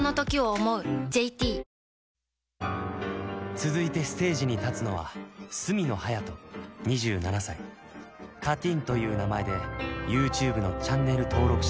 続いてステージに立つのは角野隼斗２７歳「Ｃａｔｅｅｎ」という名前で「ＹｏｕＴｕｂｅ」のチャンネル登録者